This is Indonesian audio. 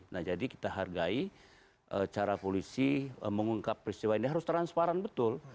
nah jadi kita hargai cara polisi mengungkap peristiwa ini harus transparan betul